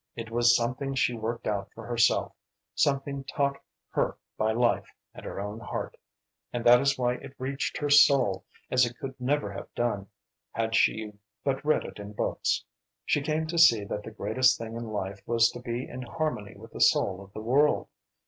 It was something she worked out for herself, something taught her by life and her own heart, and that is why it reached her soul as it could never have done had she but read it in books. She came to see that the greatest thing in life was to be in harmony with the soul of the world.